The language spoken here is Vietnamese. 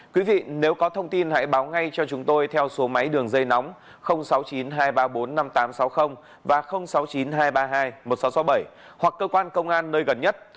quý vị nếu có thông tin hãy báo ngay cho chúng tôi theo số máy đường dây nóng sáu mươi chín hai trăm ba mươi bốn năm nghìn tám trăm sáu mươi và sáu mươi chín hai trăm ba mươi hai một nghìn sáu trăm sáu mươi bảy hoặc cơ quan công an nơi gần nhất